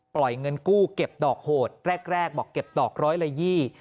เงินกู้เก็บดอกโหดแรกแรกบอกเก็บดอกร้อยละยี่